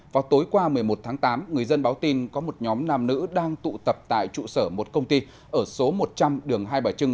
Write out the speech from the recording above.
vào tối qua một mươi một tháng tám người dân báo tin có một nhóm nam nữ đang tụ tập tại trụ sở một công ty ở số một trăm linh đường hai bà trưng